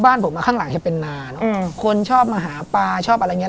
บ้านผมมาข้างหลังจะเป็นนานคนชอบมาหาปลาชอบอะไรอย่างเงี้